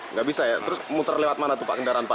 nggak bisa ya terus muter lewat mana tuh pak kendaraan pak